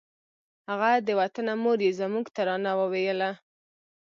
هغه د وطنه مور یې زموږ ترانه وویله